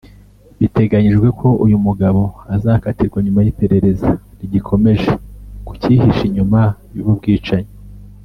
Biteganyijwe ko uyu mugabo azakatirwa nyuma y’iperereza rigikomeje ku cyihishe inyuma y’ubu bwicanyi